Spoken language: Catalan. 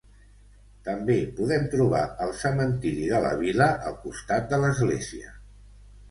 També podem trobar el cementiri de la vila al costat de l'església.